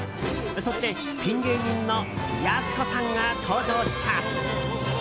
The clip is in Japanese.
そして、ピン芸人のやす子さんが登場した。